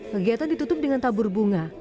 kegiatan ditutup dengan tabur bunga